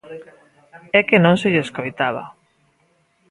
É que non se lle escoitaba.